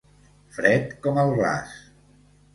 Fred com el glaç.